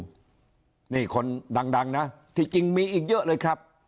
นี่คนดังนะที่จริงมีอีกเยอะเลยครับ